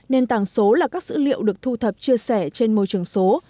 nền tảng số là các dữ liệu được thu thập chia sẻ trên môi trường số